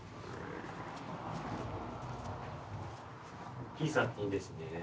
大きい作品ですね。